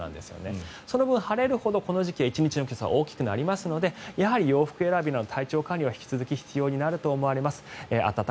その分晴れるほどこの時期１日の気温差は大きくなるので洋服選びなど体調管理は必要になると思います。